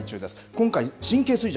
今回、神経衰弱。